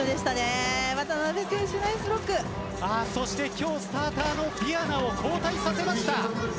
今日スターターのディアナを交代させました。